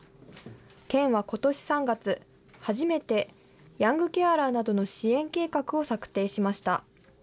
県はことし３月、初めてヤングケアラーなどの支援計画を策定しました。